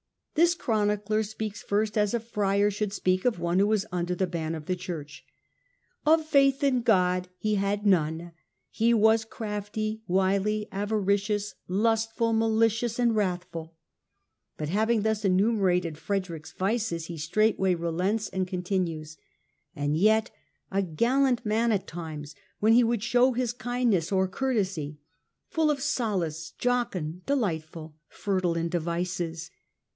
This chronicler speaks first as a friar should speak of one who was under the ban of the Church :" Of faith in God he had none ; he was crafty, wily, avaricious, lustful, malicious, wrathful." But having thus enumer ated Frederick's vices, he straightway relents, and con tinues :" And yet a gallant man at times, when he would show his kindness or courtesy ; full of solace, jocund, delightful, fertile in devices.